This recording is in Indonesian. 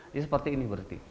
ini seperti ini berarti